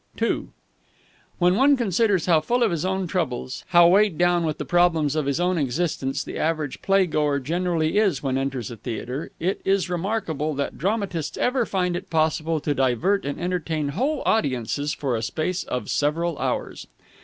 II When one considers how full of his own troubles, how weighed down with the problems of his own existence the average playgoer generally is when enters a theatre, it is remarkable that dramatists ever find it possible to divert and entertain whole audiences for a space of several hours.